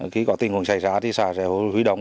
khi có tình huống xảy ra thì sả sẽ hủy động